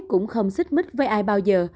cũng không xích mít với ai bao giờ